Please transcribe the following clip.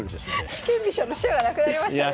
四間飛車の飛車がなくなりましたね。